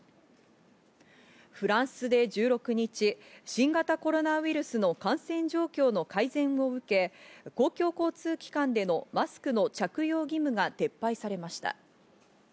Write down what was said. フランスで１６日、新型コロナウイルスの感染状況の改善を受け、公共交通機関でのマスクの着用義務が撤廃されました。